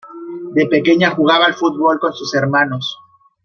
De pequeña jugaba al fútbol con sus hermanos.